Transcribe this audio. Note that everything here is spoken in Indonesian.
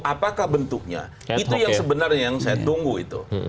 apakah bentuknya itu yang sebenarnya yang saya tunggu itu